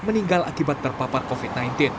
meninggal akibat terpapar covid sembilan belas